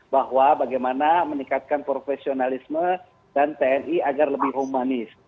bahwa bagaimana meningkatkan profesionalisme dan tni agar lebih humanis